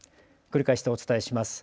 繰り返してお伝えします。